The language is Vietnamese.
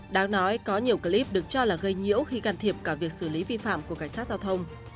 đáng nói có nhiều clip được cho là gây nhiễu khi can thiệp cả việc xử lý vi phạm của cảnh sát giao thông